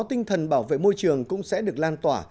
tinh thần bảo vệ môi trường cũng sẽ được lan tỏa